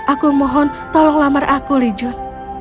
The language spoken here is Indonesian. aku mohon tolong lamar aku li jun